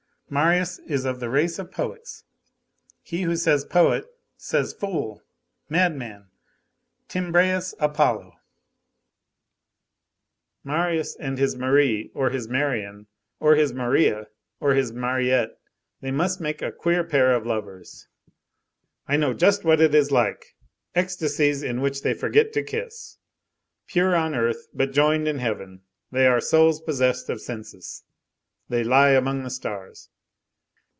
Marius is of the race of poets. He who says poet, says fool, madman, Tymbræus Apollo. Marius and his Marie, or his Marion, or his Maria, or his Mariette. They must make a queer pair of lovers. I know just what it is like. Ecstasies in which they forget to kiss. Pure on earth, but joined in heaven. They are souls possessed of senses. They lie among the stars."